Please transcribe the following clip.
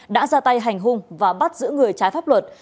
đã ra tay hành hung và bắt giữ người trái pháp luật